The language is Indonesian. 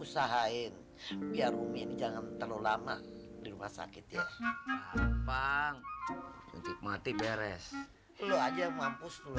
usahain biar umi ini jangan terlalu lama di rumah sakit ya bang mati beres aja mampus